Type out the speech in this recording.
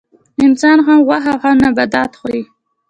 انسان هم غوښه او هم نباتات خوري